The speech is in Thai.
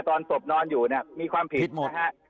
ตอนศพนอนอยู่เนี่ยมีความผิดนะฮะ